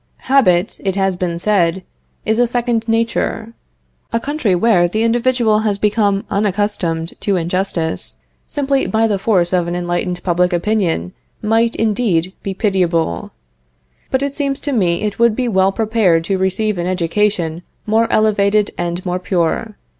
Habit, it has been said, is a second nature. A country where the individual had become unaccustomed to injustice, simply by the force of an enlightened public opinion, might, indeed, be pitiable; but it seems to me it would be well prepared to receive an education more elevated and more pure.